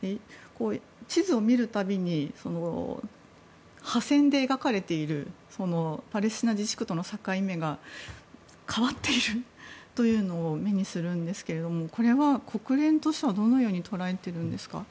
地図を見るたびに波線で描かれているパレスチナ自治区との境目が変わっているというのを目にするんですけれどもこれは国連としてはどのように捉えているんですか？